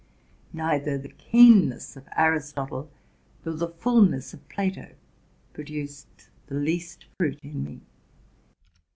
Neither the keenness of Aristotle nor the fulness of Plato produced the least fruit in me.